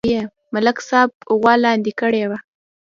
ملک صاحب غوا لاندې کړې وه